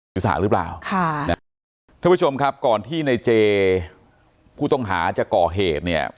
ทุกผู้ชมครับก่อนที่ในเจผู้ต้องหาจะก่อเหตุเนี่ย